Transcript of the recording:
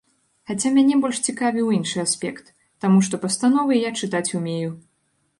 Хаця мяне больш цікавіў іншы аспект, таму што пастановы я чытаць умею.